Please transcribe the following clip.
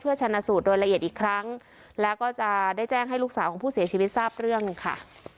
ชนะสูตรโดยละเอียดอีกครั้งแล้วก็จะได้แจ้งให้ลูกสาวของผู้เสียชีวิตทราบเรื่องค่ะ